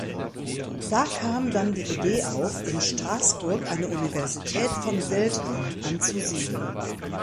Da kam dann die Idee auf, in Straßburg eine Universität von Weltrang anzusiedeln.